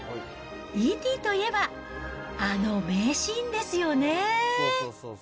Ｅ．Ｔ．といえば、あの名シーンですよね。